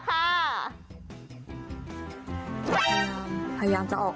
พยายามพยายามจะออก